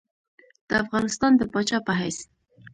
د افغانستان د پاچا په حیث.